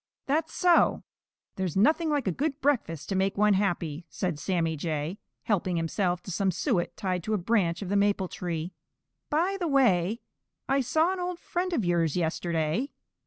"That's so. There's nothing like a good breakfast to make one happy," said Sammy Jay, helping himself to some suet tied to a branch of the maple tree. "By the way, I saw an old friend of yours yesterday.